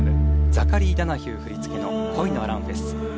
ザカリー・ダナヒュー振り付けの『恋のアランフェス』。